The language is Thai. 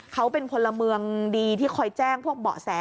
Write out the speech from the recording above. เขาเป็นคนละเมืองดีที่คอยแจ้งบ่อแส